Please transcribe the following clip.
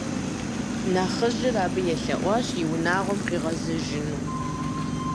Нэхъыжьыр абы елъэӀуащ и унагъуэм къигъэзэжыну.